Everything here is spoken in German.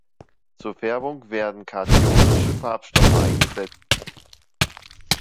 Zur Färbung werden kationische Farbstoffe eingesetzt.